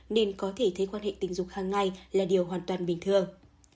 nên có thể thấy quan hệ tình dục hàng ngày là điều hoàn toàn bình thường